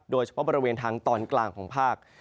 โดยเฉพาะบริเวณทางตอนกลางของภาค